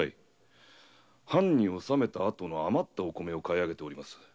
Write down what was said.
藩に納めた後の余ったお米を買い上げております。